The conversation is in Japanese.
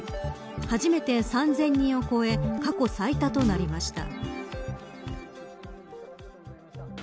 初めて３０００人を超え過去最多となりました。